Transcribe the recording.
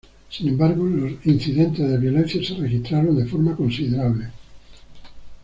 Sin embargo, los incidentes de violencia se registraron de forma considerable.